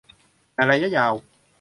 ในระยะยาว